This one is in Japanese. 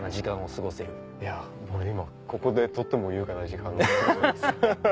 いやもう今ここでとっても優雅な時間を過ごしてます。